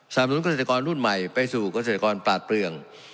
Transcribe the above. นุนเกษตรกรรุ่นใหม่ไปสู่เกษตรกรปราดเปลือง